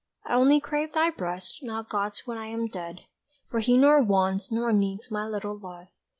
I only crave thy breast Not God's when I am dead. For He nor wants nor needs My little love.